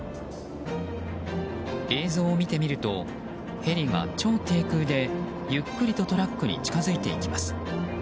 映像を見てみるとヘリが超低空でゆっくりとトラックに近づいていきます。